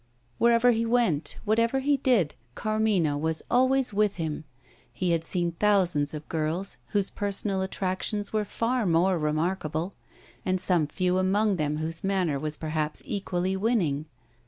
Wherever he went, whatever he did, Carmina was always with him. He had seen thousands of girls, whose personal attractions were far more remarkable and some few among them whose manner was perhaps equally winning.